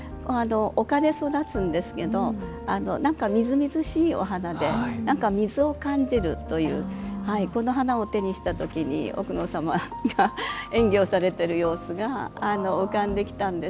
おかで育つんですけどみずみずしいお花で水を感じるというこの花を手にした時に奥野様が演技をされている様子が浮かんできたんです。